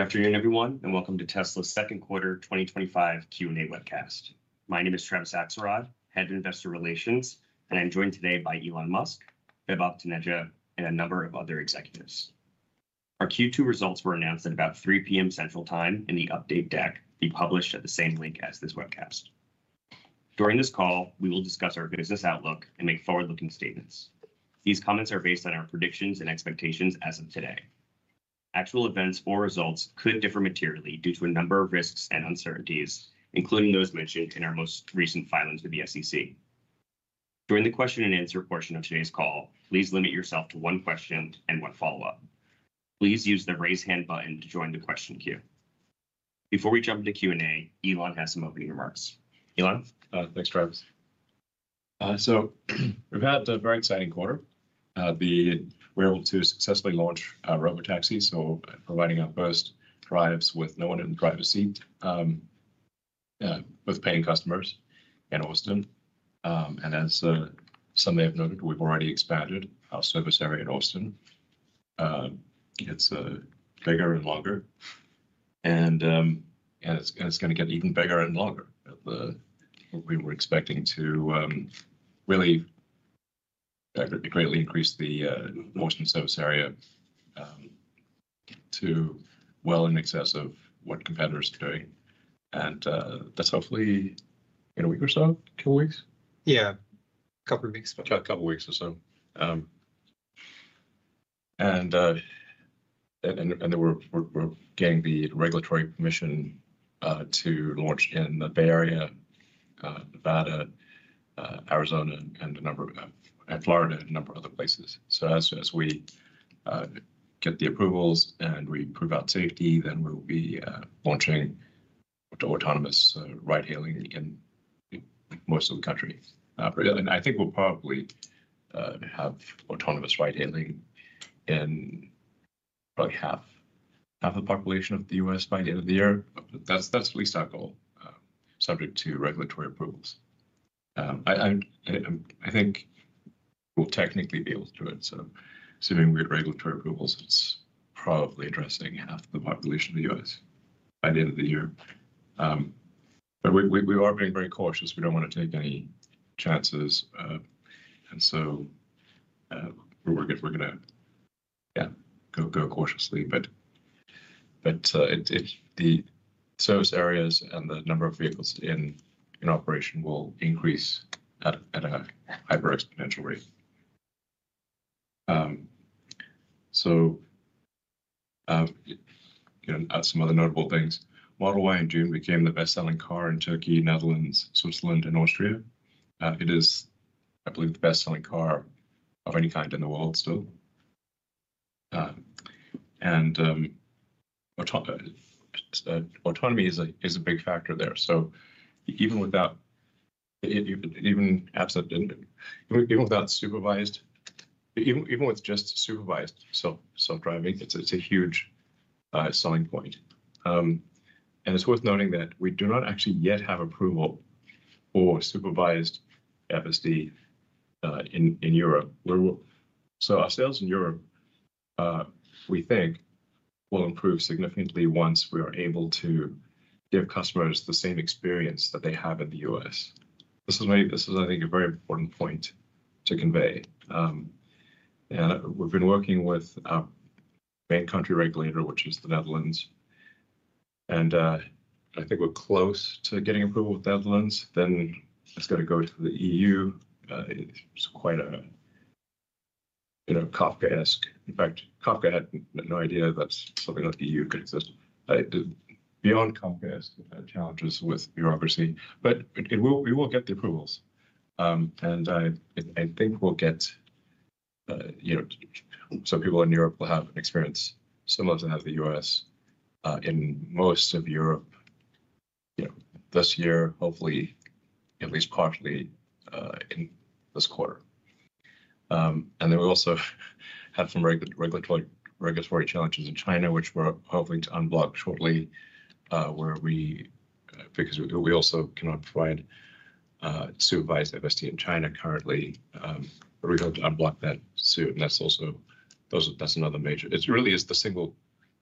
Good afternoon, everyone, and welcome to Tesla's Second Quarter 2025 Q&A Webcast. My name is Travis Axelrod, Head of Investor Relations, and I'm joined today by Elon Musk, Vaibhav Taneja, and a number of other executives. Our Q2 results were announced at about 3:00 P.M. Central Time in the Update Deck, to be published at the same link as this webcast. During this call, we will discuss our business outlook and make forward-looking statements. These comments are based on our predictions and expectations as of today. Actual events or results could differ materially due to a number of risks and uncertainties, including those mentioned in our most recent filings with the SEC. During the question-and-answer portion of today's call, please limit yourself to one question and one follow-up. Please use the raise hand button to join the question queue. Before we jump into Q&A, Elon has some opening remarks. Elon? Thanks, Travis. We've had a very exciting quarter. We were able to successfully launch Robotaxi, providing our first drives with no one in the driver's seat, with paying customers in Austin. As some may have noted, we've already expanded our service area in Austin. It's bigger and longer, and it's going to get even bigger and longer. We were expecting to really greatly increase the Austin service area to well in excess of what competitors are doing. That's hopefully in a week or so, a couple of weeks? Yeah, a couple of weeks. A couple of weeks or so. Then we're getting the regulatory permission to launch in the Bay Area, Nevada, Arizona, and Florida, and a number of other places. As we get the approvals and we prove out safety, we will be launching autonomous ride-hailing in most of the country. I think we'll probably have autonomous ride-hailing in probably half the population of the U.S. by the end of the year. That is at least our goal, subject to regulatory approvals. I think we'll technically be able to do it. Assuming we get regulatory approvals, it is probably addressing half the population of the U.S. by the end of the year. We are being very cautious. We do not want to take any chances. We are going to go cautiously. The service areas and the number of vehicles in operation will increase at a hyper-exponential rate. Some other notable things. Model Y in June became the best-selling car in Turkey, Netherlands, Switzerland, and Austria. It is, I believe, the best-selling car of any kind in the world still. Autonomy is a big factor there. Even with just supervised self-driving, it's a huge selling point. It's worth noting that we do not actually yet have approval for supervised FSD in Europe. Our sales in Europe, we think, will improve significantly once we are able to give customers the same experience that they have in the U.S. This is, I think, a very important point to convey. We've been working with our main country regulator, which is the Netherlands. I think we're close to getting approval with the Netherlands. It's got to go to the EU. It's quite a Kafkaesque. In fact, Kafka had no idea that something like the EU could exist. Beyond Kafka, challenges with bureaucracy. We will get the approvals. I think we'll get some people in Europe will have an experience similar to that of the U.S. in most of Europe this year, hopefully at least partially in this quarter. We also had some regulatory challenges in China, which we're hoping to unblock shortly, because we also cannot provide supervised FSD in China currently. We hope to unblock that soon. That's another major. It really is the single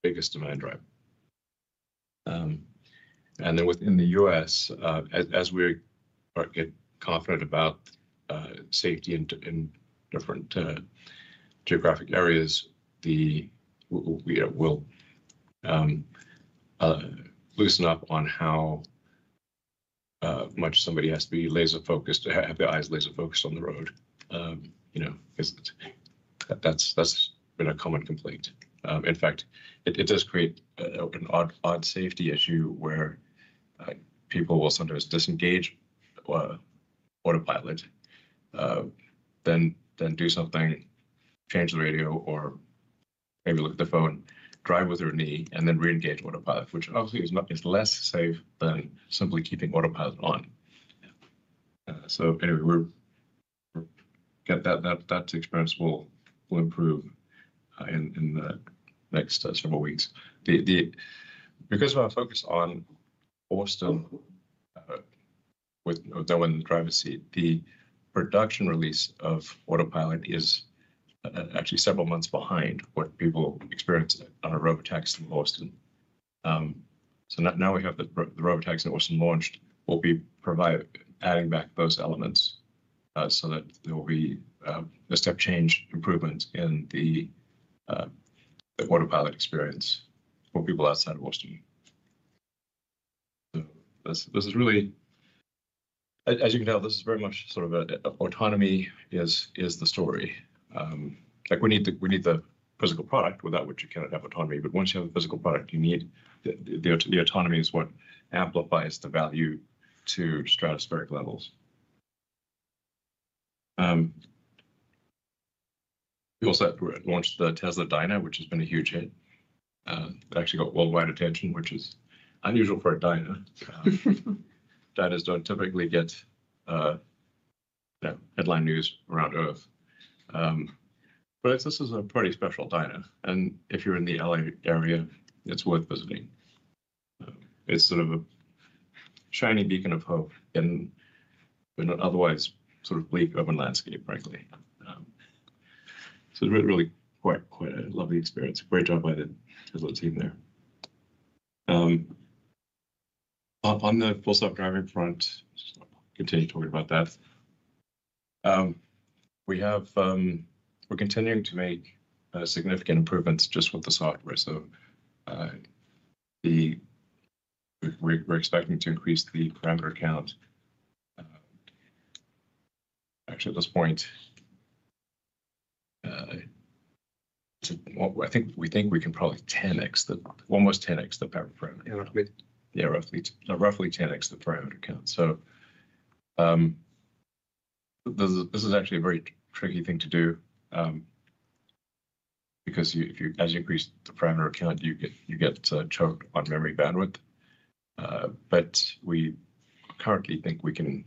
biggest demand drive. Within the U.S., as we get confident about safety in different geographic areas, we'll loosen up on how much somebody has to be laser-focused, have their eyes laser-focused on the road, because that's been a common complaint. In fact, it does create an odd safety issue where people will sometimes disengage Autopilot, then do something, change the radio, or maybe look at the phone, drive with their knee, and then re-engage Autopilot, which obviously is less safe than simply keeping Autopilot on. Anyway, that experience will improve in the next several weeks. Because of our focus on Austin with no one in the driver's seat, the production release of Autopilot is actually several months behind what people experience on a Robotaxi in Austin. Now we have the Robotaxi in Austin launched. We'll be adding back those elements so that there will be a step change improvement in the Autopilot experience for people outside of Austin. As you can tell, this is very much sort of autonomy is the story. We need the physical product without which you cannot have autonomy. Once you have a physical product, the autonomy is what amplifies the value to stratospheric levels. We also launched the Tesla Diner, which has been a huge hit. It actually got worldwide attention, which is unusual for a diner. Diners do not typically get headline news around Earth. This is a pretty special diner. If you are in the LA area, it is worth visiting. It is sort of a shiny beacon of hope in an otherwise sort of bleak urban landscape, frankly. It is really quite a lovely experience. Great job by the Tesla team there. On the Full Self-Driving front, continue talking about that. We are continuing to make significant improvements just with the software. We are expecting to increase the parameter count. Actually, at this point, I think we can probably 10x, almost 10x the parameter. Yeah, roughly. Yeah, roughly 10x the parameter count. This is actually a very tricky thing to do because as you increase the parameter count, you get choked on memory bandwidth. We currently think we can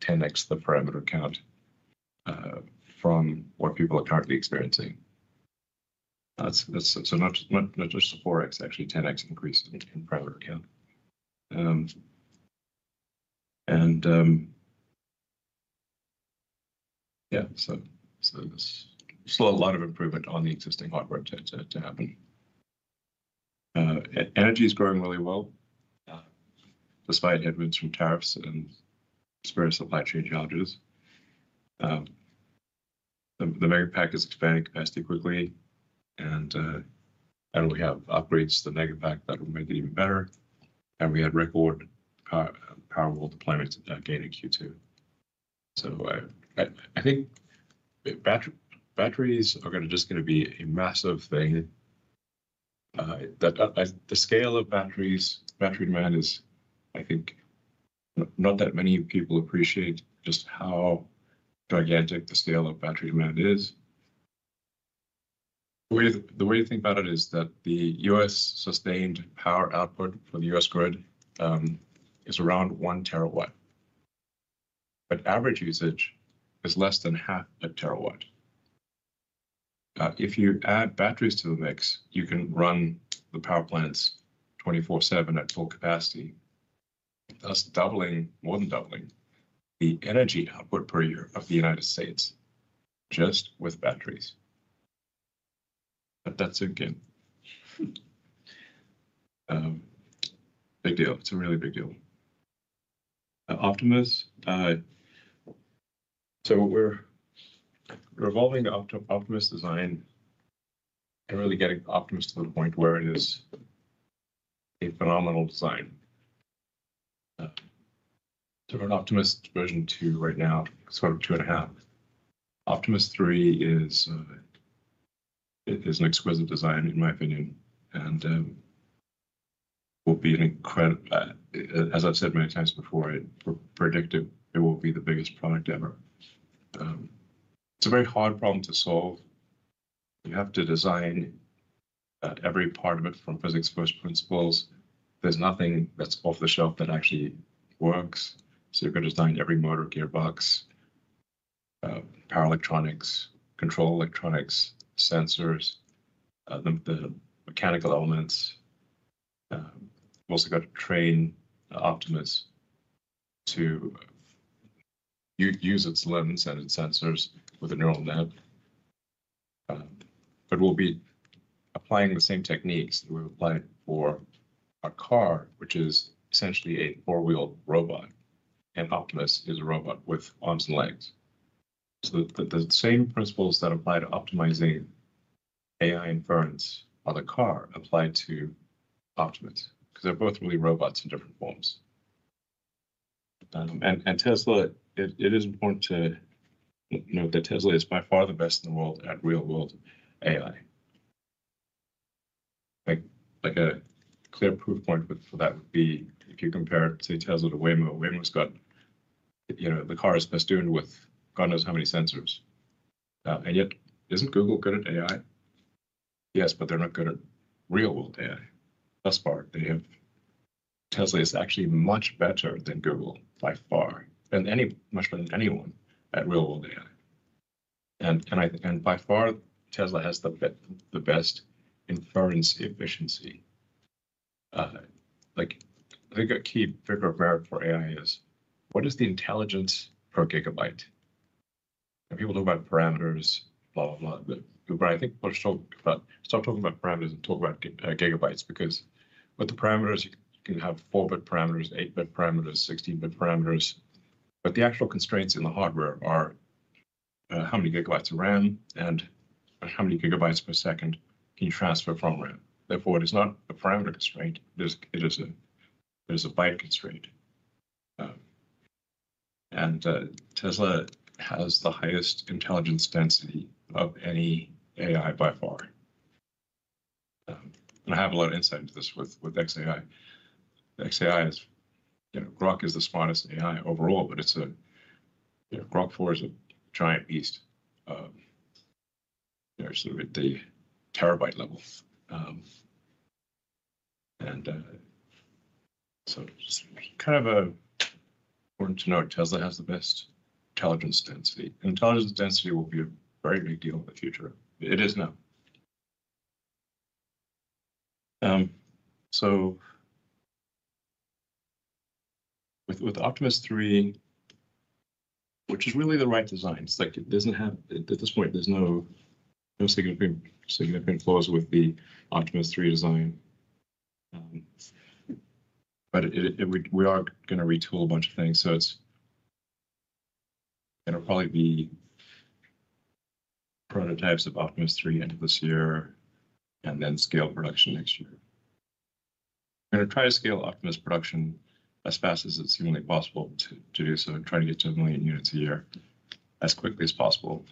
10x the parameter count from what people are currently experiencing. Not just a 4x, actually 10x increase in parameter count. A lot of improvement on the existing hardware to happen. Energy is growing really well despite headwinds from tariffs and supply chain challenges. The Megapack is expanding capacity quickly. We have upgrades to the Megapack that will make it even better. We had record Powerwall deployments again in Q2. I think batteries are just going to be a massive thing. The scale of battery demand is, I think, not that many people appreciate just how gigantic the scale of battery demand is. The way to think about it is that the U.S. sustained power output for the U.S. grid is around one terawatt. Average usage is less than half a terawatt. If you add batteries to the mix, you can run the power plants 24/7 at full capacity, thus doubling, more than doubling, the energy output per year of the United States just with batteries. That is again a big deal. It is a really big deal. Optimus. We are evolving the Optimus design and really getting Optimus to the point where it is a phenomenal design. We are at Optimus version two right now, sort of two and a half. Optimus three is an exquisite design, in my opinion, and will be an incredible, as I have said many times before, predictive. It will be the biggest product ever. It is a very hard problem to solve. You have to design every part of it from physics-first principles. There's nothing that's off the shelf that actually works. You've got to design every motor, gearbox, power electronics, control electronics, sensors, the mechanical elements. We've also got to train Optimus to use its lens and its sensors with a neural net. We'll be applying the same techniques that we applied for our car, which is essentially a four-wheeled robot. Optimus is a robot with arms and legs. The same principles that apply to optimizing AI inference on the car apply to Optimus because they're both really robots in different forms. It is important to note that Tesla is by far the best in the world at real-world AI. A clear proof point for that would be if you compare, say, Tesla to Waymo. Waymo's got the car is best tuned with God knows how many sensors. Yet, isn't Google good at AI? Yes, but they're not good at real-world AI. Thus far, Tesla is actually much better than Google by far, and much better than anyone at real-world AI. By far, Tesla has the best inference efficiency. I think a key figure of merit for AI is, what is the intelligence per gigabyte? People talk about parameters, blah, blah, blah. I think we'll stop talking about parameters and talk about gigabytes because with the parameters, you can have 4-bit parameters, 8-bit parameters, 16-bit parameters. The actual constraints in the hardware are how many gigabytes of RAM and how many gigabytes per second you can transfer from RAM. Therefore, it is not a parameter constraint. It is a byte constraint. Tesla has the highest intelligence density of any AI by far. I have a lot of insight into this with xAI. xAI's Grok is the smartest AI overall, but Grok 4 is a giant beast. It's sort of at the terabyte level. Kind of important to note, Tesla has the best intelligence density. Intelligence density will be a very big deal in the future. It is now. With Optimus 3, which is really the right design, it doesn't have at this point, there's no significant flaws with the Optimus 3 design. We are going to retool a bunch of things. There'll probably be prototypes of Optimus 3 into this year and then scale production next year. We're going to try to scale Optimus production as fast as it's humanly possible to do so and try to get to a million units a year as quickly as possible.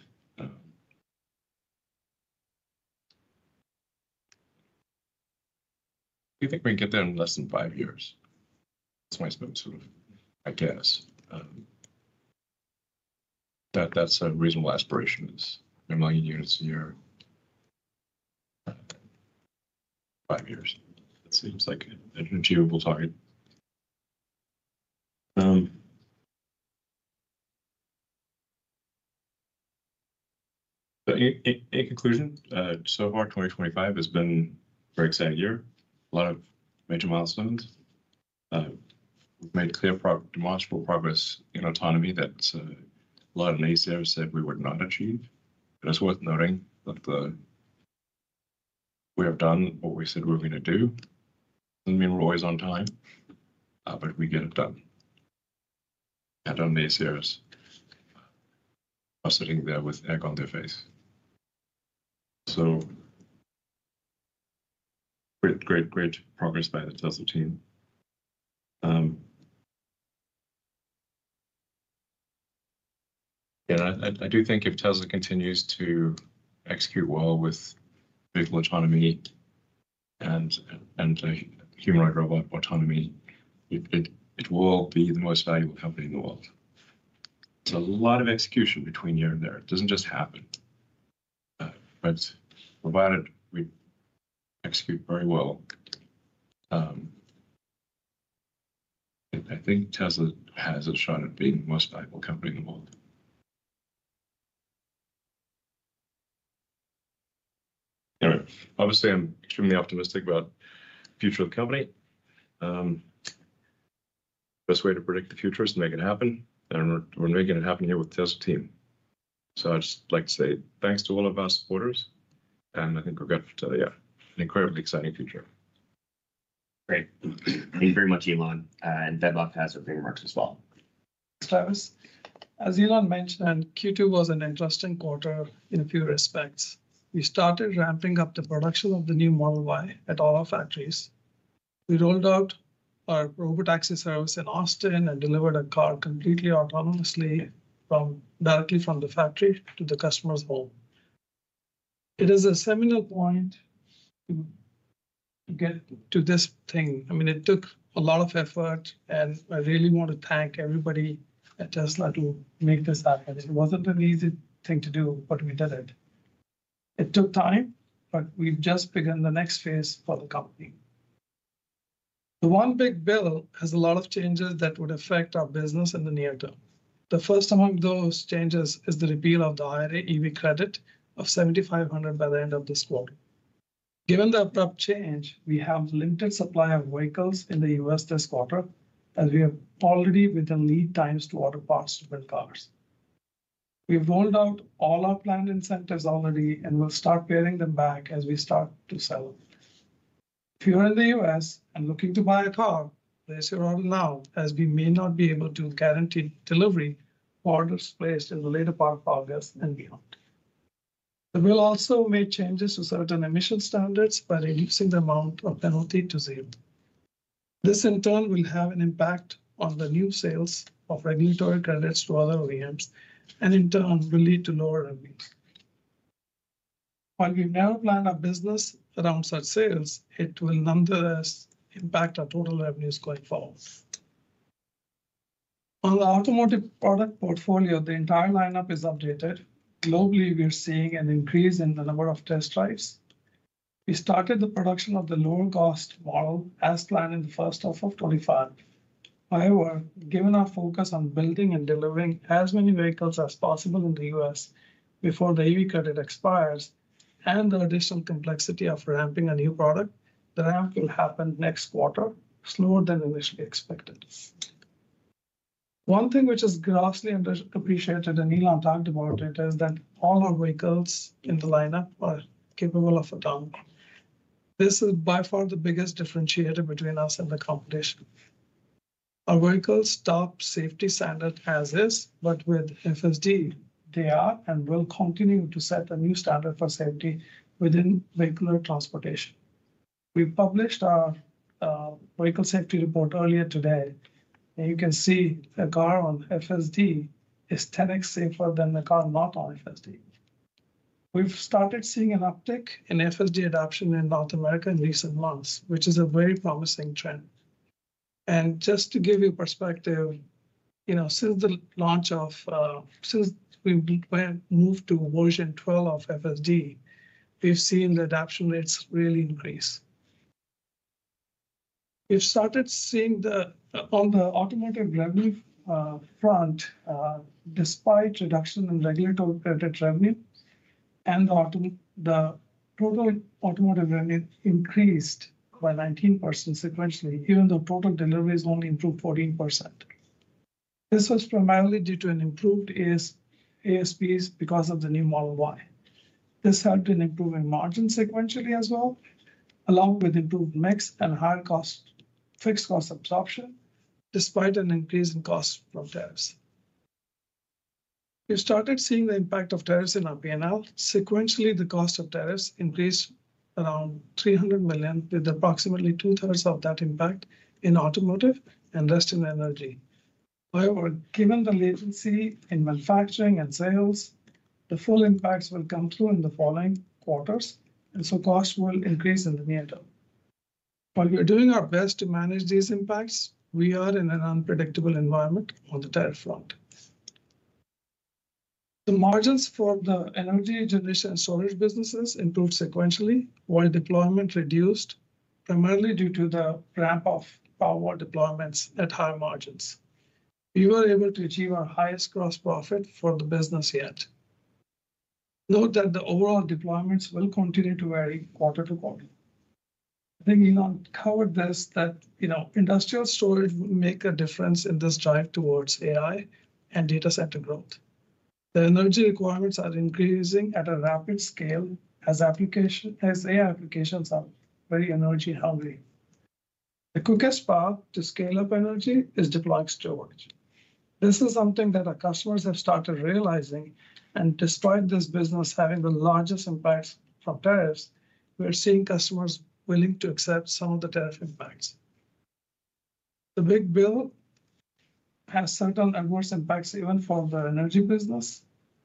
We think we can get there in less than five years. That's my sort of guess. That's a reasonable aspiration, is a million units a year. Five years. That seems like an achievable target. In conclusion, so far, 2025 has been a very exciting year. A lot of major milestones. We've made clear demonstrable progress in autonomy that a lot of naysayers said we would not achieve. It is worth noting that we have done what we said we were going to do. It doesn't mean we're always on time, but we get it done. The naysayers are sitting there with egg on their face. Great progress by the Tesla team. Yeah, and I do think if Tesla continues to execute well with vehicle autonomy and humanoid robot autonomy, it will be the most valuable company in the world. There is a lot of execution between here and there. It does not just happen. Provided we execute very well, I think Tesla has a shot at being the most valuable company in the world. Obviously, I am extremely optimistic about the future of the company. The best way to predict the future is to make it happen. We are making it happen here with the Tesla team. I would just like to say thanks to all of our supporters. I think we have got an incredibly exciting future. Great. Thank you very much, Elon. And Vaibhav has a few remarks as well. Service. As Elon mentioned, Q2 was an interesting quarter in a few respects. We started ramping up the production of the new Model Y at all our factories. We rolled out our Robotaxi service in Austin and delivered a car completely autonomously directly from the factory to the customer's home. It is a seminal point to get to this thing. I mean, it took a lot of effort. I really want to thank everybody at Tesla to make this happen. It was not an easy thing to do, but we did it. It took time, but we have just begun the next phase for the company. The One Big Bill has a lot of changes that would affect our business in the near term. The first among those changes is the repeal of the IRA EV credit of $7,500 by the end of this quarter. Given the abrupt change, we have limited supply of vehicles in the U.S. this quarter, as we are already within lead times to order parts to build cars. We've rolled out all our planned incentives already, and we'll start paying them back as we start to sell. If you're in the U.S. and looking to buy a car, place your order now, as we may not be able to guarantee delivery for orders placed in the later part of August and beyond. We'll also make changes to certain emission standards by reducing the amount of penalty to zero. This, in turn, will have an impact on the new sales of regulatory credits to other OEMs, and in turn, will lead to lower revenues. While we've never planned our business around such sales, it will nonetheless impact our total revenues going forward. On the automotive product portfolio, the entire lineup is updated. Globally, we're seeing an increase in the number of test drives. We started the production of the lower-cost model as planned in the first half of 2025. However, given our focus on building and delivering as many vehicles as possible in the U.S. before the EV credit expires and the additional complexity of ramping a new product, the ramp will happen next quarter, slower than initially expected. One thing which is grossly underappreciated, and Elon talked about it, is that all our vehicles in the lineup are capable of autonomy. This is by far the biggest differentiator between us and the competition. Our vehicles top safety standard as is, but with FSD, they are and will continue to set a new standard for safety within vehicular transportation. We published our vehicle safety report earlier today. You can see a car on FSD is 10x safer than a car not on FSD. We've started seeing an uptick in FSD adoption in North America in recent months, which is a very promising trend. Just to give you perspective, since we moved to version 12 of FSD, we've seen the adoption rates really increase. We've started seeing on the automotive revenue front, despite reduction in regulatory credit revenue, the total automotive revenue increased by 19% sequentially, even though total deliveries only improved 14%. This was primarily due to improved ASPs because of the new Model Y. This helped in improving margin sequentially as well, along with improved mix and higher fixed cost absorption, despite an increase in cost from tariffs. We started seeing the impact of tariffs in our P&L. Sequentially, the cost of tariffs increased around $300 million, with approximately two-thirds of that impact in automotive and rest in Energy. However, given the latency in manufacturing and sales, the full impacts will come through in the following quarters. Costs will increase in the near term. While we're doing our best to manage these impacts, we are in an unpredictable environment on the tariff front. The margins for the energy generation and storage businesses improved sequentially, while deployment reduced, primarily due to the ramp of power deployments at high margins. We were able to achieve our highest gross profit for the business yet. Note that the overall deployments will continue to vary quarter to quarter. I think Elon covered this, that industrial storage will make a difference in this drive towards AI and data center growth. The energy requirements are increasing at a rapid scale as AI applications are very energy-hungry. The quickest path to scale up energy is deploying storage. This is something that our customers have started realizing. Despite this business having the largest impacts from tariffs, we are seeing customers willing to accept some of the tariff impacts. The big bill has certain adverse impacts even for the energy business,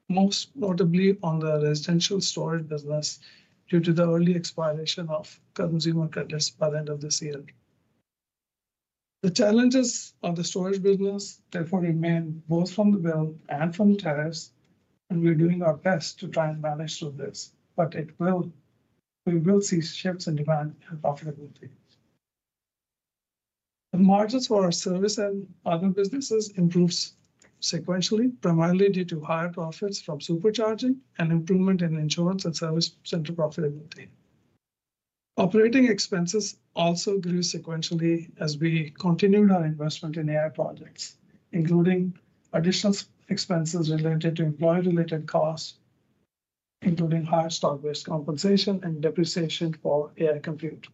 most notably on the residential storage business due to the early expiration of consumer credits by the end of this year. The challenges of the storage business therefore remain both from the bill and from the tariffs, and we are doing our best to try and manage through this. We will see shifts in demand and profitability. The margins for our service and other businesses improved sequentially, primarily due to higher profits from Supercharging and improvement in insurance and service center profitability. Operating expenses also grew sequentially as we continued our investment in AI projects, including additional expenses related to employee-related costs, including higher stock-based compensation and depreciation for AI compute.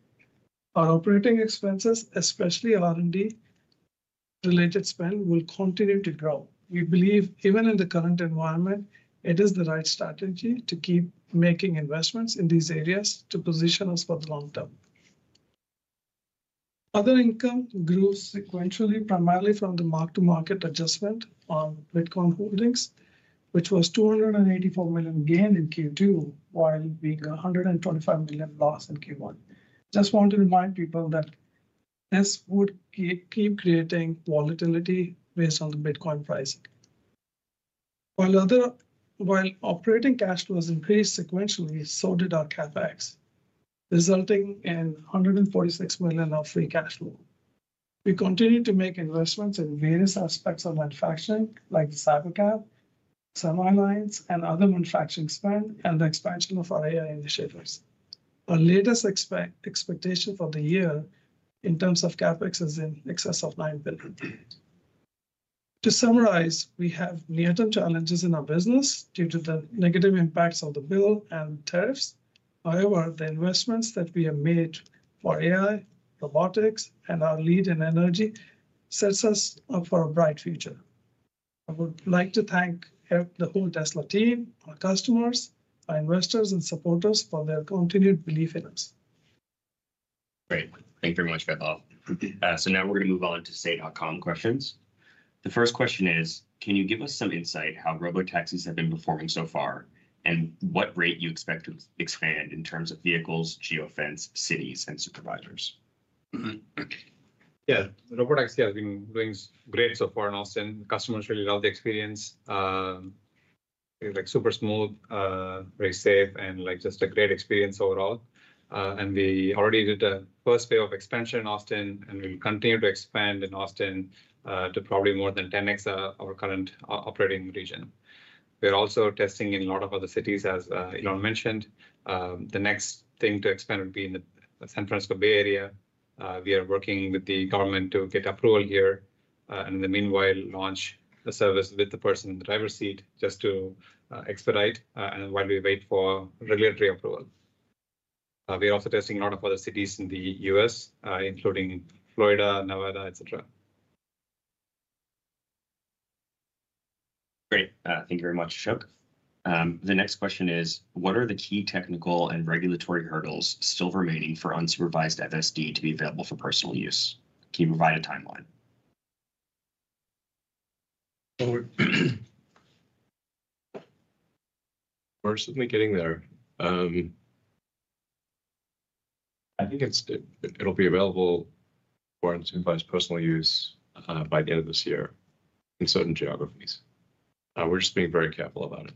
Our operating expenses, especially R&D-related spend, will continue to grow. We believe even in the current environment, it is the right strategy to keep making investments in these areas to position us for the long term. Other income grew sequentially, primarily from the mark-to-market adjustment on Bitcoin holdings, which was a $284 million gain in Q2 while being a $125 million loss in Q1. Just want to remind people that this would keep creating volatility based on the Bitcoin pricing. While operating cash flows increased sequentially, so did our CapEx, resulting in $146 million of free cash flow. We continue to make investments in various aspects of manufacturing, like the Cybercab, Semi lines, and other manufacturing spend, and the expansion of our AI initiatives. Our latest expectation for the year in terms of CapEx is in excess of $9 billion. To summarize, we have near-term challenges in our business due to the negative impacts of the bill and tariffs. However, the investments that we have made for AI, robotics, and our lead in energy set us up for a bright future. I would like to thank the whole Tesla team, our customers, our investors, and supporters for their continued belief in us. Great. Thank you very much, Vaibhav. Now we're going to move on to say.com questions. The first question is, can you give us some insight on how Robotaxis have been performing so far and what rate you expect to expand in terms of vehicles, geofence, cities, and supervisors? Yeah, Robotaxi has been doing great so far in Austin. Customers really love the experience. It's super smooth, very safe, and just a great experience overall. We already did a first wave of expansion in Austin, and we'll continue to expand in Austin to probably more than 10x our current operating region. We're also testing in a lot of other cities, as Elon mentioned. The next thing to expand would be in the San Francisco Bay Area. We are working with the government to get approval here and, in the meanwhile, launch the service with the person in the driver's seat just to expedite while we wait for regulatory approval. We are also testing a lot of other cities in the U.S., including Florida, Nevada, etc. Great. Thank you very much, Ashok. The next question is, what are the key technical and regulatory hurdles still remaining for unsupervised FSD to be available for personal use? Can you provide a timeline? We're certainly getting there. I think it'll be available for unsupervised personal use by the end of this year in certain geographies. We're just being very careful about it.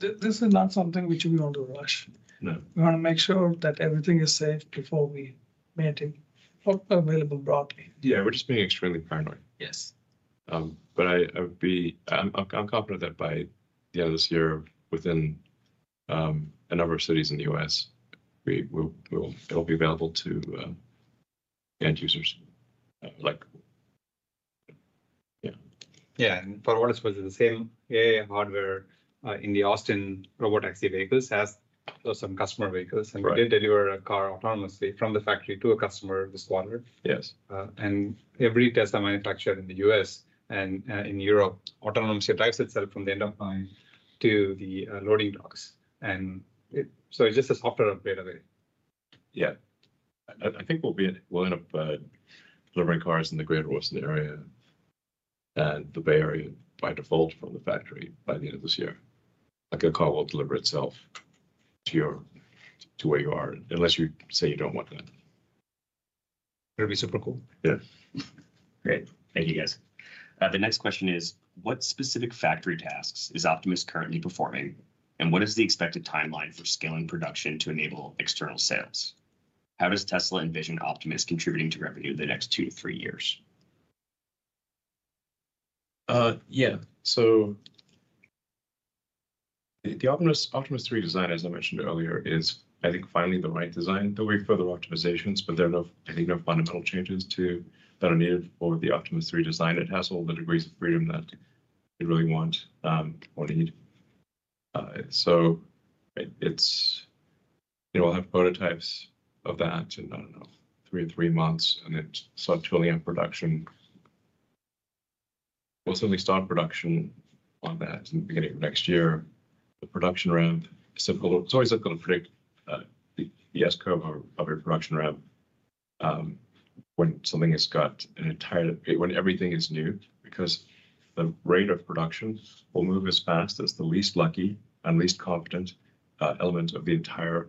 This is not something which we want to rush. We want to make sure that everything is safe before we make it available broadly. Yeah, we're just being extremely paranoid. Yes. I'm confident that by the end of this year, within a number of cities in the U.S., it'll be available to end users. Yeah. Yeah, and for what it's worth, the same AI hardware in the Austin Robotaxi vehicles has some customer vehicles. We did deliver a car autonomously from the factory to a customer this quarter. Every Tesla manufactured in the U.S. and in Europe autonomously drives itself from the end of line to the loading docks. It is just a software upgrade away. Yeah. I think we'll end up delivering cars in the Greater Austin area and the Bay Area by default from the factory by the end of this year. A car will deliver itself to where you are unless you say you don't want that. That'd be super cool. Yeah. Great. Thank you, guys. The next question is, what specific factory tasks is Optimus currently performing? What is the expected timeline for scaling production to enable external sales? How does Tesla envision Optimus contributing to revenue in the next two to three years? Yeah. So the Optimus 3 design, as I mentioned earlier, is, I think, finally the right design. There will be further optimizations, but there are no, I think, no fundamental changes that are needed for the Optimus 3 design. It has all the degrees of freedom that we really want or need. So we'll have prototypes of that in, I don't know, three or four months, and then start tooling up production. We'll certainly start production on that in the beginning of next year. The production ramp is always difficult to predict, the S-curve of your production ramp when something has got an entire, when everything is new, because the rate of production will move as fast as the least lucky and least confident element of the entire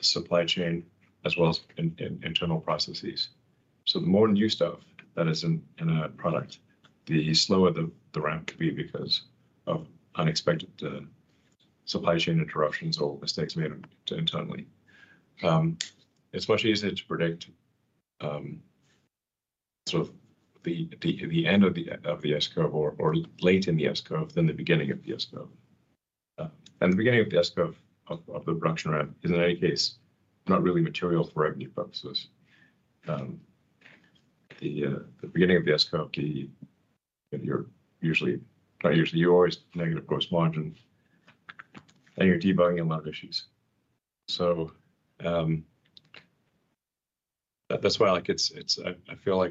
supply chain, as well as internal processes. The more new stuff that is in a product, the slower the ramp could be because of unexpected supply chain interruptions or mistakes made internally. It is much easier to predict sort of the end of the S-curve or late in the S-curve than the beginning of the S-curve. The beginning of the S-curve of the production ramp is, in any case, not really material for revenue purposes. At the beginning of the S-curve, you are usually, not usually, you are always negative gross margin, and you are debugging a lot of issues. That is why I feel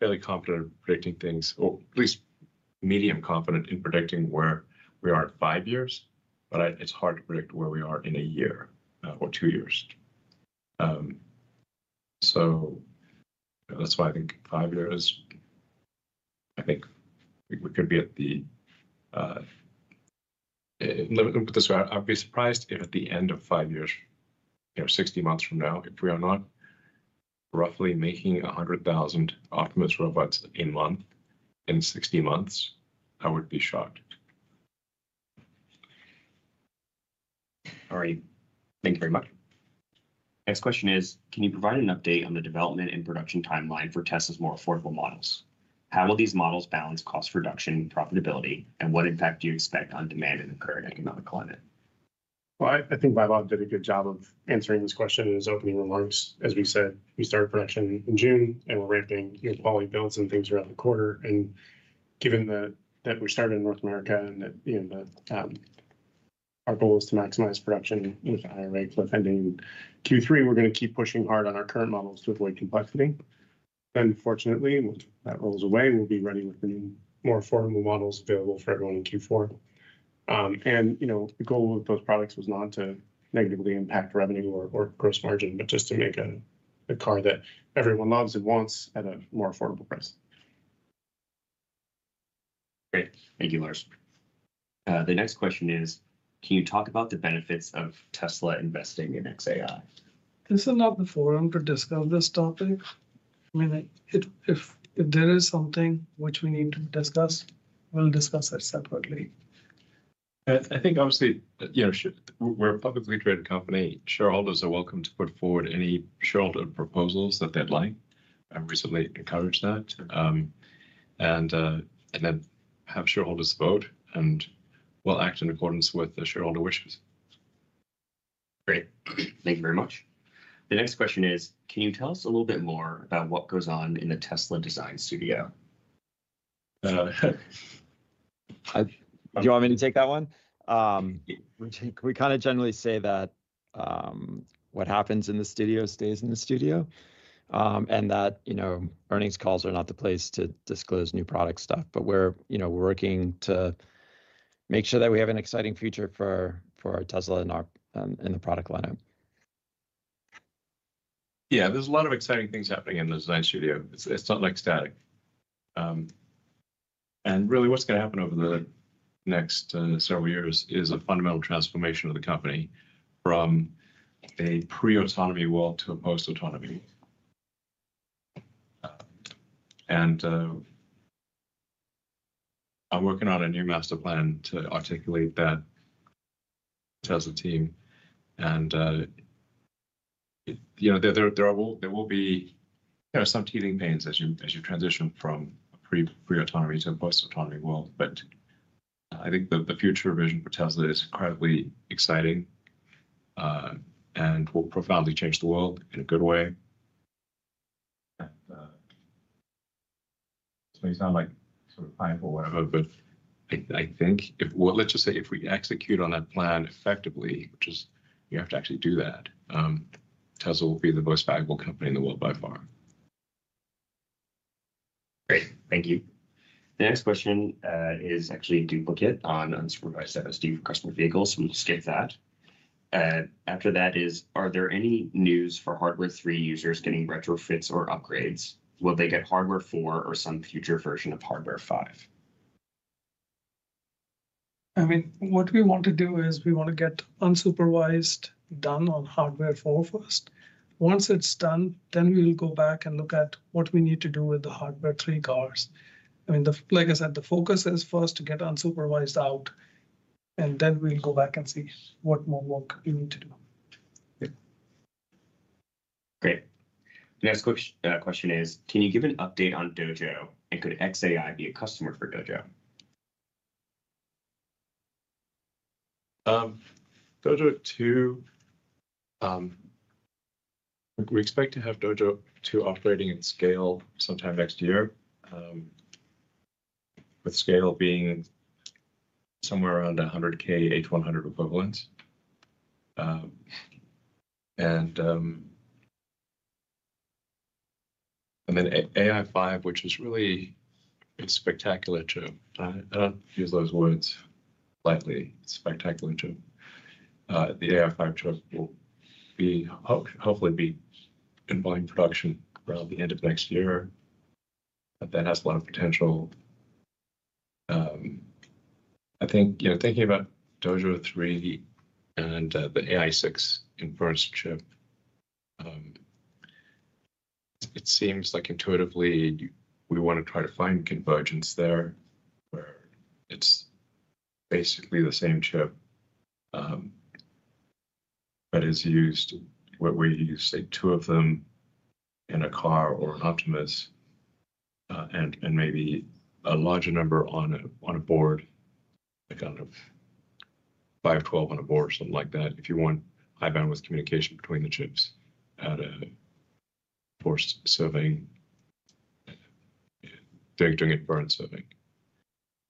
fairly confident in predicting things, or at least medium confident in predicting where we are in five years, but it is hard to predict where we are in a year or two years. That's why I think five years, I think we could be at the—let me put it this way—I would be surprised if at the end of five years, 60 months from now, if we are not roughly making 100,000 Optimus robots in a month in 60 months, I would be shocked. All right. Thank you very much. Next question is, can you provide an update on the development and production timeline for Tesla's more affordable models? How will these models balance cost reduction and profitability, and what impact do you expect on demand in the current economic climate? I think Vaibhav did a good job of answering this question in his opening remarks. As we said, we started production in June, and we're ramping quality builds and things around the quarter. Given that we started in North America and that our goal is to maximize production with the IRA cliff ending in Q3, we're going to keep pushing hard on our current models to avoid complexity. Fortunately, when that rolls away, we'll be ready with the more affordable models available for everyone in Q4. The goal with those products was not to negatively impact revenue or gross margin, but just to make a car that everyone loves and wants at a more affordable price. Great. Thank you, Lars. The next question is, can you talk about the benefits of Tesla investing in xAI? This is not the forum to discuss this topic. I mean, if there is something which we need to discuss, we'll discuss it separately. I think, obviously, we're a publicly traded company. Shareholders are welcome to put forward any shareholder proposals that they'd like. I've recently encouraged that. Then have shareholders vote, and we'll act in accordance with the shareholder wishes. Great. Thank you very much. The next question is, can you tell us a little bit more about what goes on in the Tesla design studio? Do you want me to take that one? We kind of generally say that what happens in the studio stays in the studio, and that earnings calls are not the place to disclose new product stuff. We are working to make sure that we have an exciting future for our Tesla and the product lineup. Yeah, there's a lot of exciting things happening in the design studio. It's not static. Really, what's going to happen over the next several years is a fundamental transformation of the company from a pre-autonomy world to a post-autonomy. I'm working on a new master plan to articulate that as a team. There will be some teething pains as you transition from a pre-autonomy to a post-autonomy world. I think the future vision for Tesla is incredibly exciting and will profoundly change the world in a good way. It doesn't sound like sort of plan for whatever, but I think, let's just say if we execute on that plan effectively, which is you have to actually do that, Tesla will be the most valuable company in the world by far. Great. Thank you. The next question is actually a duplicate on unsupervised FSD for customer vehicles, so we'll skip that. After that is, are there any news for Hardware 3 users getting retrofits or upgrades? Will they get Hardware 4 or some future version of Hardware 5? I mean, what we want to do is we want to get unsupervised done on Hardware 4 first. Once it's done, then we'll go back and look at what we need to do with the Hardware 3 cars. I mean, like I said, the focus is first to get unsupervised out, and then we'll go back and see what more work we need to do. Great. The next question is, can you give an update on Dojo and could xAI be a customer for Dojo? Dojo 2, we expect to have Dojo 2 operating in scale sometime next year, with scale being somewhere around 100,000, H100 equivalents. And then AI 5, which is really a spectacular joke. I don't use those words lightly. It's a spectacular joke. The AI 5 joke will hopefully be in line production around the end of next year. That has a lot of potential. I think thinking about Dojo 3 and the AI 6 in first chip, it seems like intuitively we want to try to find convergence there where it's basically the same chip, but it's used where we use, say, two of them in a car or an Optimus and maybe a larger number on a board, like on a 512 on a board or something like that, if you want high bandwidth communication between the chips at a force serving, during inference serving.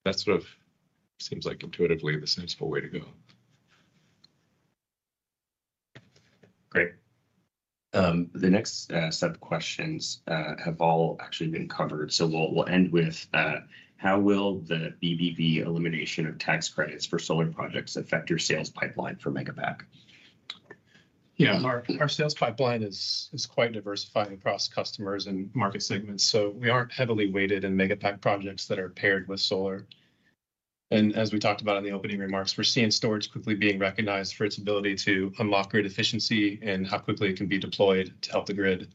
That sort of seems like intuitively the sensible way to go. Great. The next set of questions have all actually been covered. So we'll end with, how will the BEV elimination of tax credits for solar projects affect your sales pipeline for Megapack? Yeah, our sales pipeline is quite diversified across customers and market segments. We aren't heavily weighted in Megapack projects that are paired with solar. As we talked about in the opening remarks, we're seeing storage quickly being recognized for its ability to unlock grid efficiency and how quickly it can be deployed to help the grid.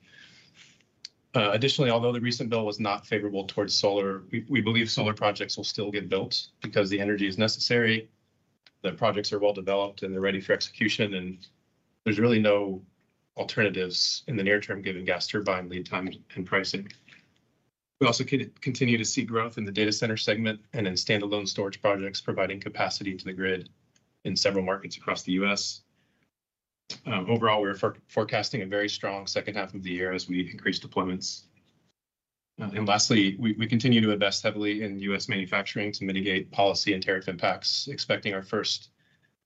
Additionally, although the recent bill was not favorable towards solar, we believe solar projects will still get built because the energy is necessary, the projects are well developed, and they're ready for execution. There's really no alternatives in the near term given gas turbine lead time and pricing. We also continue to see growth in the data center segment and in standalone storage projects providing capacity to the grid in several markets across the U.S. Overall, we're forecasting a very strong second half of the year as we increase deployments. Lastly, we continue to invest heavily in U.S. manufacturing to mitigate policy and tariff impacts, expecting our first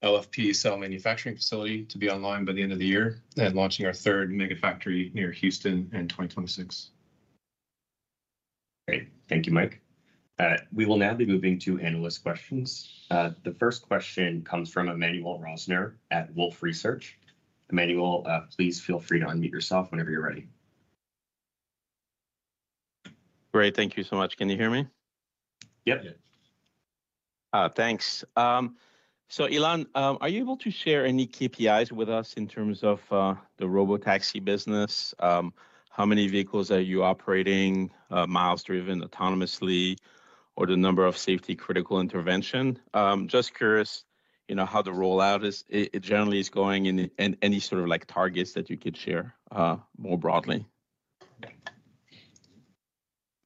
LFP cell manufacturing facility to be online by the end of the year and launching our third Megafactory near Houston in 2026. Great. Thank you, Mike. We will now be moving to analyst questions. The first question comes from Emmanuel Rosner at Wolfe Research. Emmanuel, please feel free to unmute yourself whenever you're ready. Great. Thank you so much. Can you hear me? Yep. Thanks. Elon, are you able to share any KPIs with us in terms of the Robotaxi business? How many vehicles are you operating, miles driven autonomously, or the number of safety-critical intervention? Just curious how the rollout generally is going and any sort of targets that you could share more broadly.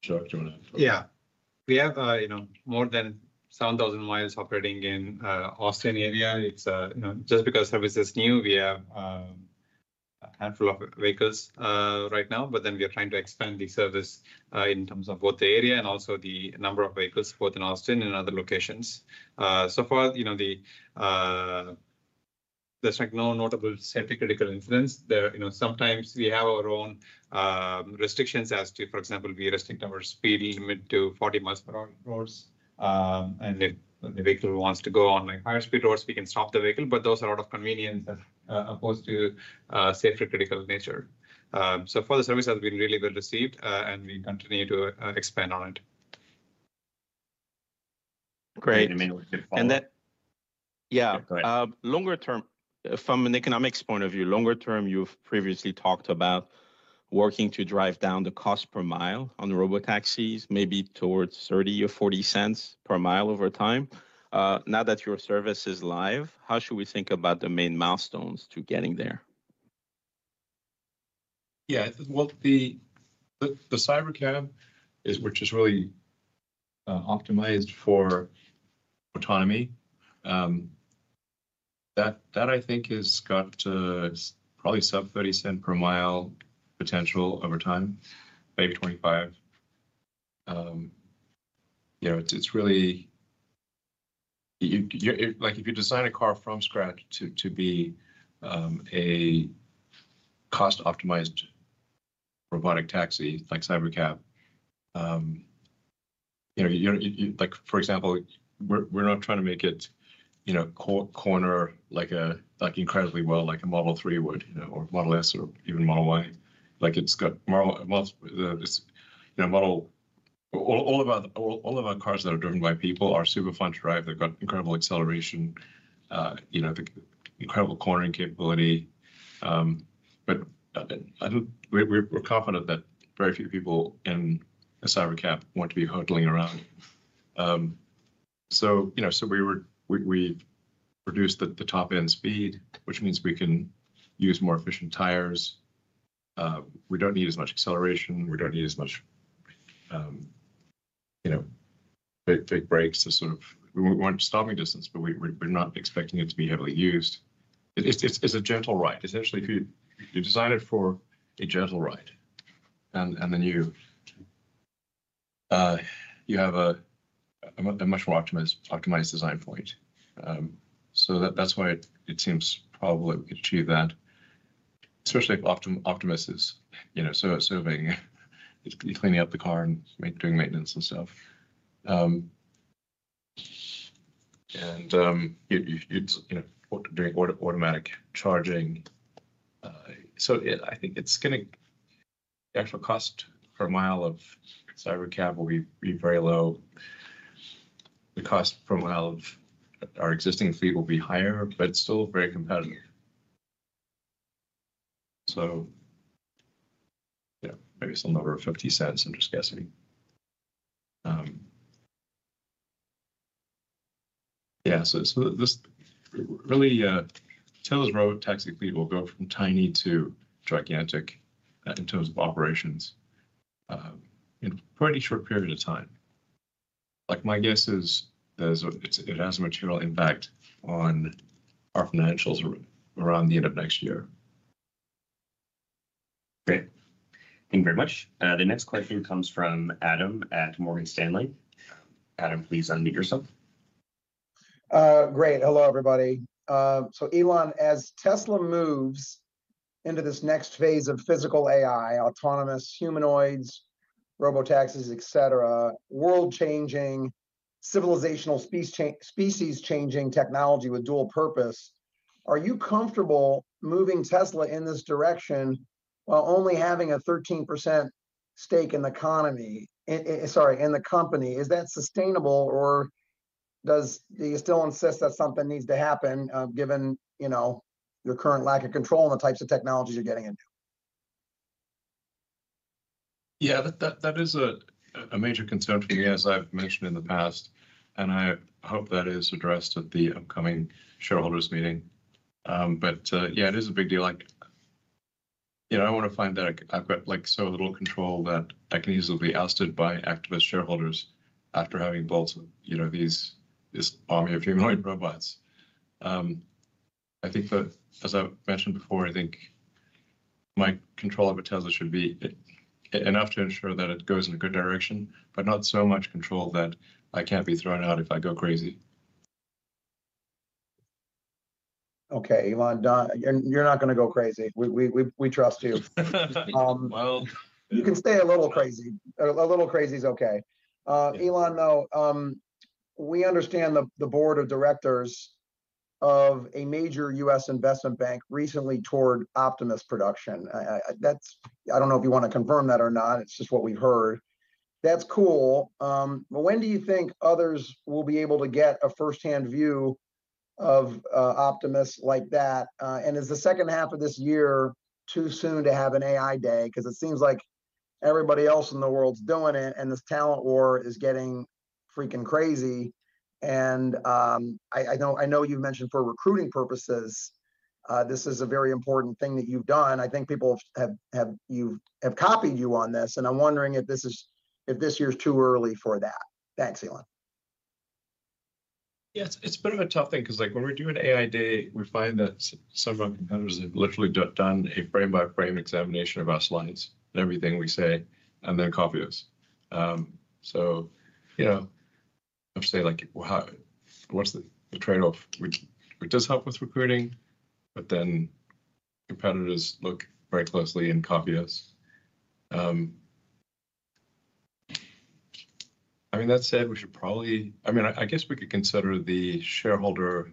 Sure. Do you want to? Yeah. We have more than 7,000 miles operating in Austin area. Just because service is new, we have a handful of vehicles right now, but then we are trying to expand the service in terms of both the area and also the number of vehicles both in Austin and other locations. So far, there's no notable safety-critical incidents. Sometimes we have our own restrictions as to, for example, we restrict our speed limit to 40 miles per hour roads. If the vehicle wants to go on higher speed roads, we can stop the vehicle, but those are out of convenience as opposed to safety-critical nature. So far, the service has been really well received, and we continue to expand on it. Great. Yeah, longer term, from an economics point of view, longer term, you've previously talked about working to drive down the cost per mile on the Robotaxis, maybe towards 30 or 40 cents per mile over time. Now that your service is live, how should we think about the main milestones to getting there? Yeah. The Cybercab, which is really optimized for autonomy, that, I think, has got probably sub-30 cent per mile potential over time, maybe 25. If you design a car from scratch to be a cost-optimized robotic taxi like Cybercab, for example, we're not trying to make it corner incredibly well like a Model 3 would or Model S or even Model Y. All of our cars that are driven by people are super fun to drive. They've got incredible acceleration, incredible cornering capability. We're confident that very few people in a Cybercab want to be hurtling around. We have reduced the top-end speed, which means we can use more efficient tires. We do not need as much acceleration. We do not need as much fake brakes to sort of—we want stopping distance, but we're not expecting it to be heavily used. It's a gentle ride. Essentially, you design it for a gentle ride, and then you have a much more optimized design point. That's why it seems probable that we could achieve that, especially if Optimus is serving, cleaning up the car, and doing maintenance and stuff. And doing automatic charging. I think the actual cost per mile of Cybercab will be very low. The cost per mile of our existing fleet will be higher, but still very competitive. Maybe some number of 50 cents. I'm just guessing. Yeah. Tesla's Robotaxi fleet will go from tiny to gigantic in terms of operations in a pretty short period of time. My guess is it has a material impact on our financials around the end of next year. Great. Thank you very much. The next question comes from Adam Jonas at Morgan Stanley. Adam, please unmute yourself. Great. Hello, everybody. So Elon, as Tesla moves into this next phase of physical AI, autonomous, humanoids, Robotaxis, etc., world-changing, civilizational, species-changing technology with dual purpose, are you comfortable moving Tesla in this direction while only having a 13% stake in the company? Sorry, in the company. Is that sustainable, or do you still insist that something needs to happen given your current lack of control and the types of technologies you're getting into? Yeah. That is a major concern for me, as I've mentioned in the past, and I hope that is addressed at the upcoming shareholders meeting. Yeah, it is a big deal. I want to find that I've got so little control that I can easily be ousted by activist shareholders after having built this army of humanoid robots. I think that, as I mentioned before, I think my control over Tesla should be enough to ensure that it goes in a good direction, but not so much control that I can't be thrown out if I go crazy. Okay. Elon, you're not going to go crazy. We trust you. You can stay a little crazy. A little crazy is okay. Elon, though, we understand the board of directors of a major U.S. investment bank recently toured Optimus production. I don't know if you want to confirm that or not. It's just what we've heard. That's cool. When do you think others will be able to get a firsthand view of Optimus like that? Is the second half of this year too soon to have an AI day? Because it seems like everybody else in the world is doing it, and this talent war is getting freaking crazy. I know you've mentioned for recruiting purposes, this is a very important thing that you've done. I think people have copied you on this, and I'm wondering if this year is too early for that. Thanks, Elon. Yeah. It's been a tough thing because when we're doing AI day, we find that some of our competitors have literally done a frame-by-frame examination of our slides and everything we say, and then copy us. I'm just saying, what's the trade-off? It does help with recruiting, but then competitors look very closely and copy us. I mean, that said, we should probably—I mean, I guess we could consider the shareholder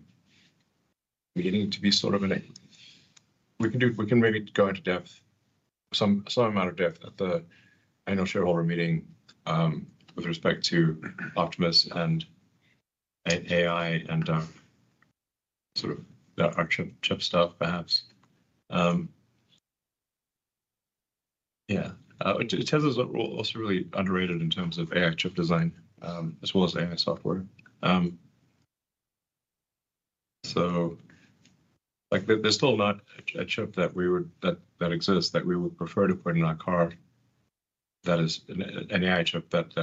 meeting to be sort of an—we can maybe go into depth, some amount of depth at the annual shareholder meeting with respect to Optimus and AI and sort of our chip stuff, perhaps. Yeah. Tesla is also really underrated in terms of AI chip design as well as AI software. There's still not a chip that exists that we would prefer to put in our car that is an AI chip that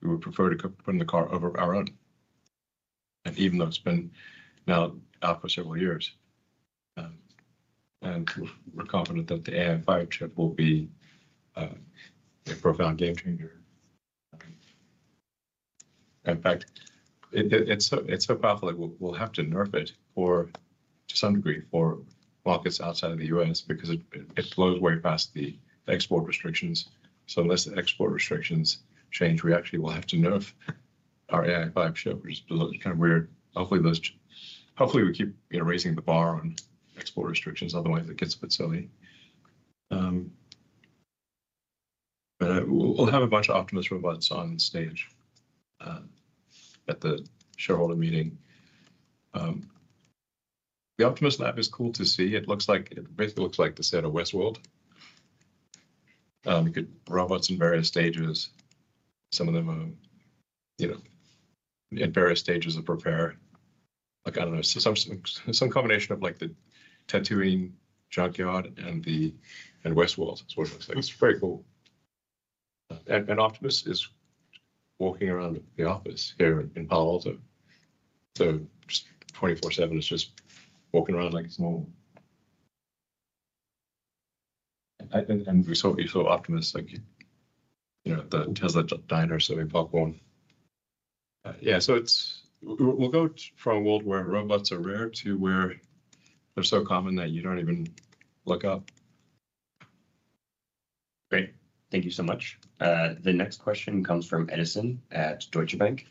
we would prefer to put in the car over our own, even though it's been out for several years. We're confident that the AI 5 chip will be a profound game changer. In fact, it's so powerful that we'll have to nerf it to some degree for markets outside of the U.S. because it blows way past the export restrictions. Unless the export restrictions change, we actually will have to nerf our AI 5 chip, which is kind of weird. Hopefully, we keep raising the bar on export restrictions. Otherwise, it gets a bit silly. We'll have a bunch of Optimus robots on stage at the shareholder meeting. The Optimus lab is cool to see. It basically looks like the set of Westworld. We could. Robots in various stages. Some of them are in various stages of repair. I don't know. Some combination of the Tatooine junkyard and Westworld is what it looks like. It's very cool. Optimus is walking around the office here in Palo Alto. Just 24/7, it's just walking around like it's normal. We saw Optimus at the Tesla Diner serving popcorn. Yeah. We'll go from a world where robots are rare to where they're so common that you don't even look up. Great. Thank you so much. The next question comes from Edison at Deutsche Bank.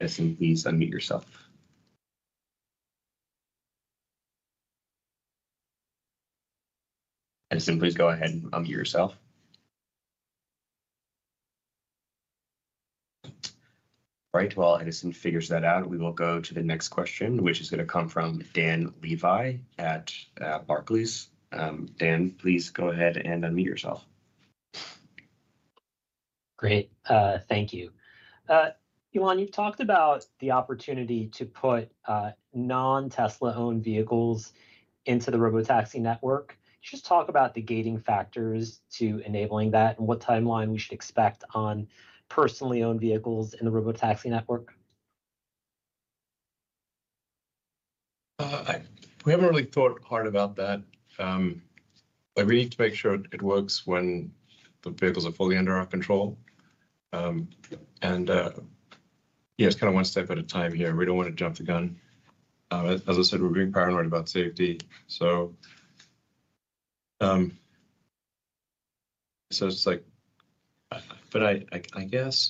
Edison, please unmute yourself. Edison, please go ahead and unmute yourself. All right. While Edison figures that out, we will go to the next question, which is going to come from Dan Levy at Barclays. Dan, please go ahead and unmute yourself. Great. Thank you. Elon, you've talked about the opportunity to put non-Tesla-owned vehicles into the Robotaxi network. Could you just talk about the gating factors to enabling that and what timeline we should expect on personally-owned vehicles in the Robotaxi network? We haven't really thought hard about that. We need to make sure it works when the vehicles are fully under our control. It's kind of one step at a time here. We don't want to jump the gun. As I said, we're being paranoid about safety. It's like, but I guess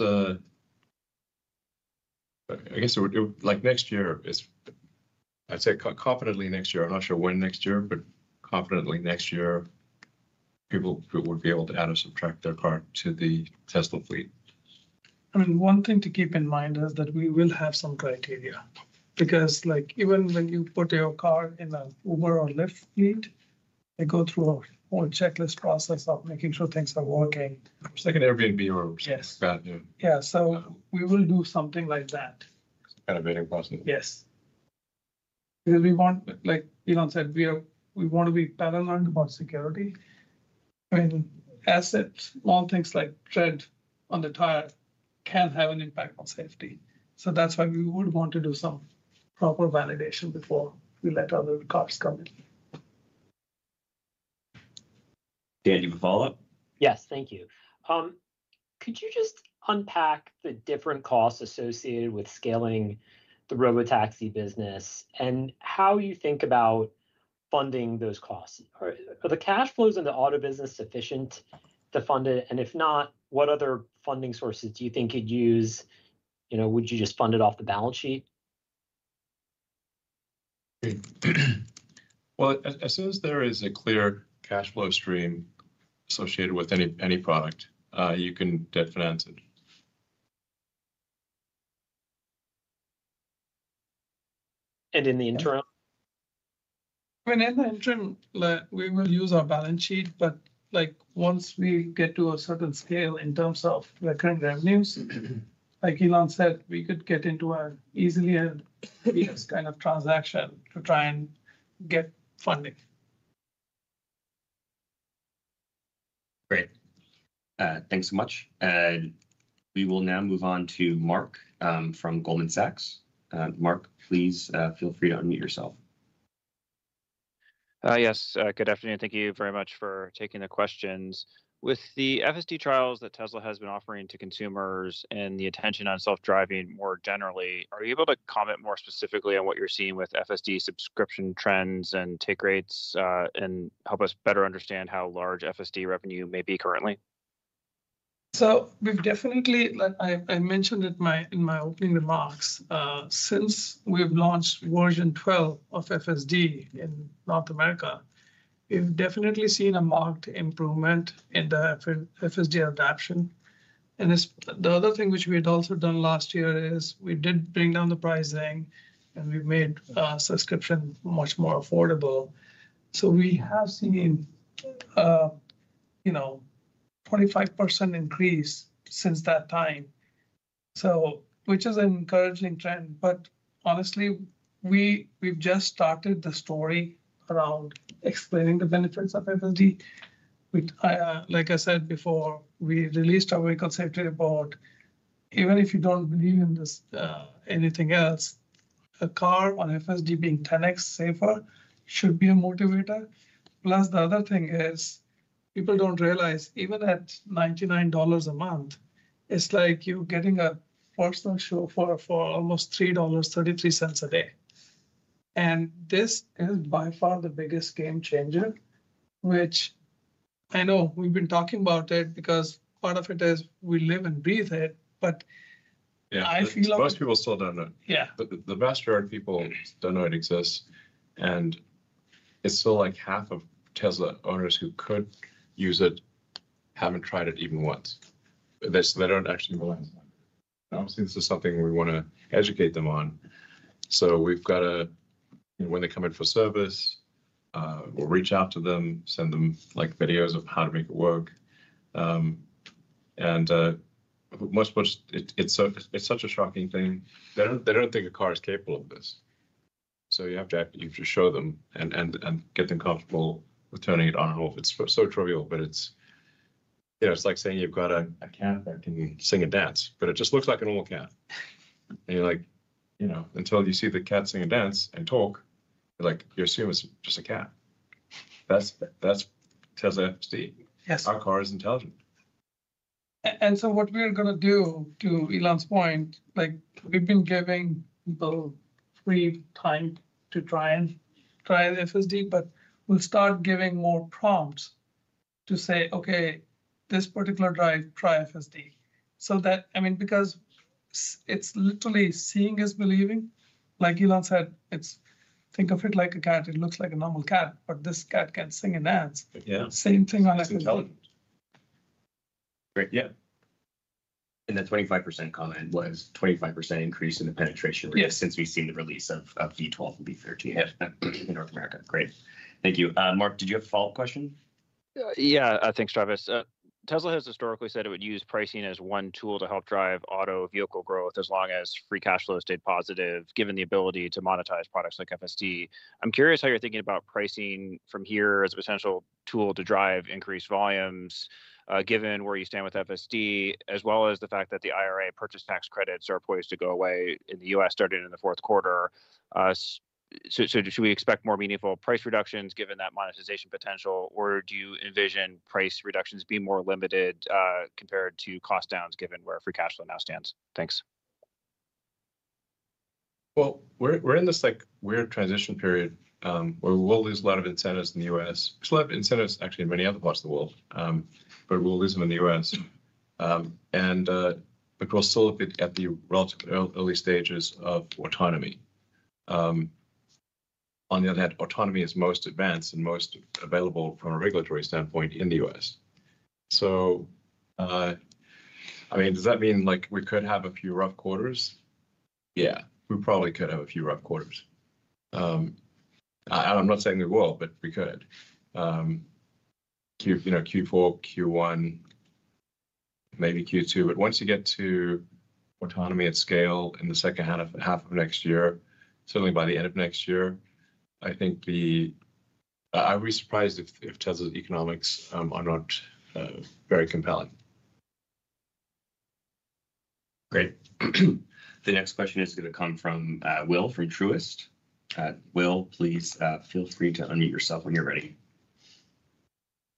next year, I'd say confidently next year. I'm not sure when next year, but confidently next year, people would be able to add or subtract their car to the Tesla fleet. I mean, one thing to keep in mind is that we will have some criteria because even when you put your car in an Uber or Lyft fleet, they go through a whole checklist process of making sure things are working. Second Airbnb or. Yes. Got it. Yeah. Yeah. We will do something like that. Kind of bidding process. Yes. Because we want, like Elon said, we want to be paranoid about security. I mean, assets, small things like tread on the tire can have an impact on safety. That is why we would want to do some proper validation before we let other cars come in. Dan, do you have a follow-up? Yes. Thank you. Could you just unpack the different costs associated with scaling the Robotaxi business and how you think about funding those costs? Are the cash flows in the auto business sufficient to fund it? If not, what other funding sources do you think you'd use? Would you just fund it off the balance sheet? As soon as there is a clear cash flow stream associated with any product, you can dead finance it. In the interim? I mean, in the interim, we will use our balance sheet. Once we get to a certain scale in terms of recurring revenues, like Elon said, we could get into an easily and easiest kind of transaction to try and get funding. Great. Thanks so much. We will now move on to Mark from Goldman Sachs. Mark, please feel free to unmute yourself. Yes. Good afternoon. Thank you very much for taking the questions. With the FSD trials that Tesla has been offering to consumers and the attention on self-driving more generally, are you able to comment more specifically on what you're seeing with FSD subscription trends and take rates and help us better understand how large FSD revenue may be currently? I mentioned it in my opening remarks. Since we've launched version 12 of FSD in North America, we've definitely seen a marked improvement in the FSD adoption. The other thing which we had also done last year is we did bring down the pricing, and we made subscription much more affordable. We have seen a 25% increase since that time, which is an encouraging trend. Honestly, we've just started the story around explaining the benefits of FSD. Like I said before, we released our vehicle safety report. Even if you don't believe in anything else, a car on FSD being 10x safer should be a motivator. Plus, the other thing is people don't realize even at $99 a month, it's like you're getting a personal chauffeur for almost $3.33 a day. This is by far the biggest game changer, which I know we've been talking about it because part of it is we live and breathe it, but I feel like. Most people still don't know. The vast majority of people don't know it exists. It's still like half of Tesla owners who could use it haven't tried it even once. They don't actually realize that. Obviously, this is something we want to educate them on. We've got to, when they come in for service, reach out to them, send them videos of how to make it work. It's such a shocking thing. They don't think a car is capable of this. You have to show them and get them comfortable with turning it on and off. It's so trivial, but it's like saying you've got a cat that can sing and dance, but it just looks like a normal cat. Until you see the cat sing and dance and talk, you assume it's just a cat. That's Tesla FSD. Our car is intelligent. What we are going to do, to Elon’s point, we have been giving people free time to try and try the FSD, but we will start giving more prompts to say, "Okay, this particular drive, try FSD." I mean, because it is literally seeing is believing. Like Elon said, think of it like a cat. It looks like a normal cat, but this cat can sing and dance. Same thing on FSD. It's intelligent. Great. Yeah. The 25% comment was 25% increase in the penetration rate since we've seen the release of V12 and V13 in North America. Great. Thank you. Mark, did you have a follow-up question? Yeah. Thanks, Travis. Tesla has historically said it would use pricing as one tool to help drive auto vehicle growth as long as free cash flows stayed positive, given the ability to monetize products like FSD. I'm curious how you're thinking about pricing from here as a potential tool to drive increased volumes, given where you stand with FSD, as well as the fact that the IRA purchase tax credits are poised to go away in the U.S. starting in the fourth quarter. Should we expect more meaningful price reductions given that monetization potential, or do you envision price reductions being more limited compared to cost downs given where free cash flow now stands? Thanks. We're in this weird transition period where we will lose a lot of incentives in the U.S. We still have incentives, actually, in many other parts of the world, but we will lose them in the U.S. We'll still be at the relatively early stages of autonomy. On the other hand, autonomy is most advanced and most available from a regulatory standpoint in the U.S. I mean, does that mean we could have a few rough quarters? Yeah. We probably could have a few rough quarters. I'm not saying we will, but we could. Q4, Q1, maybe Q2. Once you get to autonomy at scale in the second half of next year, certainly by the end of next year, I think I'll be surprised if Tesla's economics are not very compelling. Great. The next question is going to come from Will from Truist. Will, please feel free to unmute yourself when you're ready.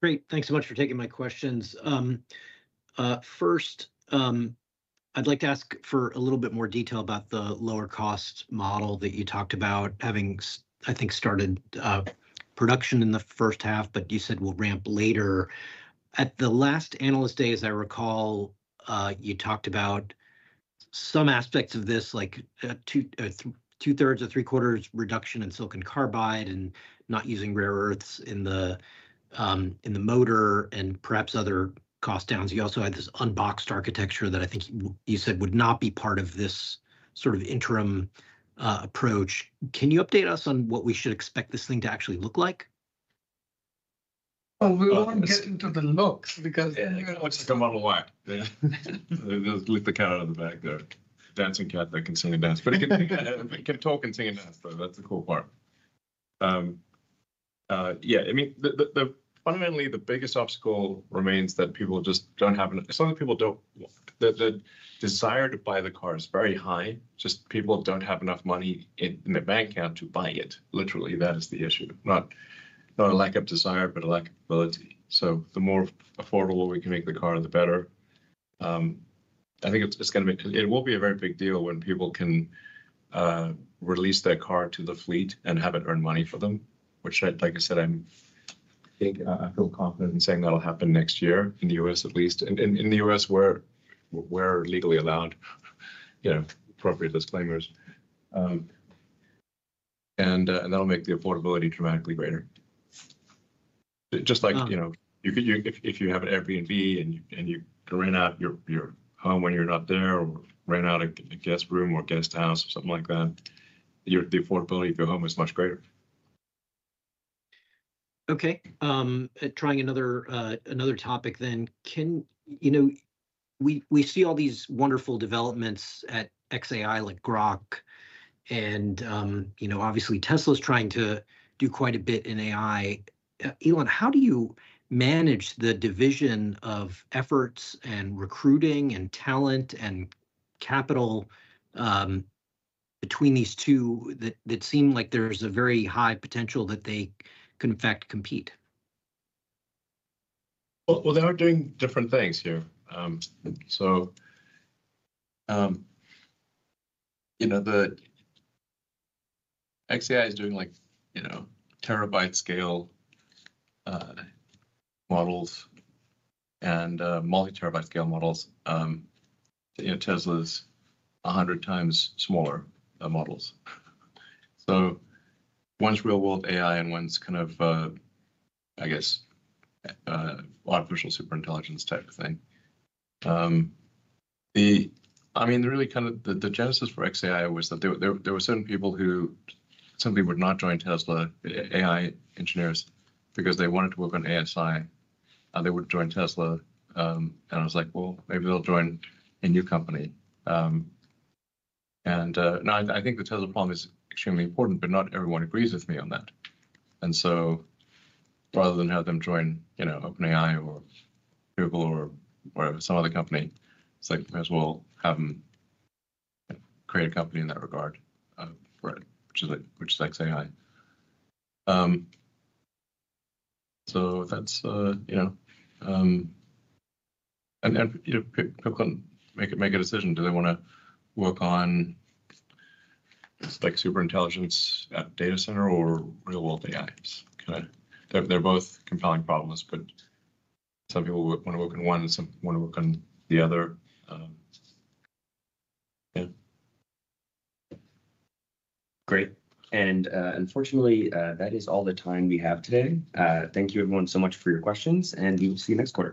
Great. Thanks so much for taking my questions. First, I'd like to ask for a little bit more detail about the lower-cost model that you talked about having, I think, started production in the first half, but you said will ramp later. At the last Analyst Day, as I recall, you talked about some aspects of this, like two-thirds or three-quarters reduction in silicon carbide and not using rare earths in the motor and perhaps other cost downs. You also had this Unboxed Architecture that I think you said would not be part of this sort of interim approach. Can you update us on what we should expect this thing to actually look like? We won't get into the looks because. It's like a Model Y. Just leave the cat out of the bag there. Dancing cat that can sing and dance. But it can talk and sing and dance, though. That's the cool part. Yeah. I mean, fundamentally, the biggest obstacle remains that people just don't have an—some of the people don't want—the desire to buy the car is very high. Just people don't have enough money in their bank account to buy it. Literally, that is the issue. Not a lack of desire, but a lack of ability. The more affordable we can make the car, the better. I think it's going to be—it will be a very big deal when people can release their car to the fleet and have it earn money for them, which, like I said, I feel confident in saying that'll happen next year in the U.S., at least. In the U.S., we're legally allowed appropriate disclaimers. That'll make the affordability dramatically greater. Just like if you have an Airbnb and you can rent out your home when you're not there or rent out a guest room or guest house or something like that, the affordability of your home is much greater. Okay. Trying another topic then. We see all these wonderful developments at xAI, like Grok, and obviously, Tesla is trying to do quite a bit in AI. Elon, how do you manage the division of efforts and recruiting and talent and capital between these two that seem like there's a very high potential that they can, in fact, compete? They are doing different things here. xAI is doing terabyte-scale models and multi-terabyte-scale models. Tesla's 100 times smaller models. One's real-world AI and one's kind of, I guess, artificial superintelligence type of thing. I mean, really, kind of the genesis for xAI was that there were certain people who simply would not join Tesla, AI engineers, because they wanted to work on ASI. They would not join Tesla. I was like, "Maybe they'll join a new company." I think the Tesla problem is extremely important, but not everyone agrees with me on that. Rather than have them join OpenAI or Google or some other company, it is like, "Have them create a company in that regard," which is xAI. That is—and people can make a decision. Do they want to work on superintelligence at a data center or real-world AI? Kind of they're both compelling problems, but some people want to work on one and some want to work on the other. Yeah. Great. Unfortunately, that is all the time we have today. Thank you, everyone, so much for your questions. We will see you next quarter.